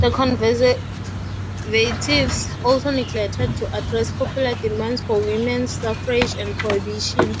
The Conservatives also neglected to address popular demands for women's suffrage and prohibition.